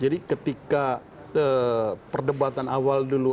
jadi ketika perdebatan awal dulu